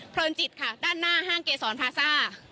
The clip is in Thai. จิตค่ะด้านหน้าห้างเกษรพาซ่า